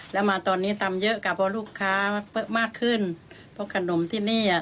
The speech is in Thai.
แล้วมาตอนนี้ตำเยอะค่ะเพราะลูกค้ามากขึ้นเพราะขนมที่นี่อ่ะ